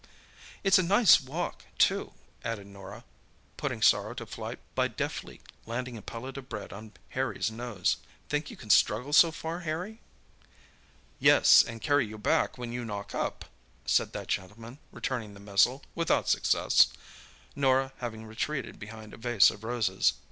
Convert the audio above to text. "It's a nice walk, too," added Norah, putting sorrow to flight by deftly landing a pellet of bread on Harry's nose. "Think you can struggle so far, Harry?" "Yes, and carry you back when you knock up," said that gentleman, returning the missile, without success, Norah having retreated behind a vase of roses.